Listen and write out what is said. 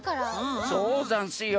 そうざんすよ。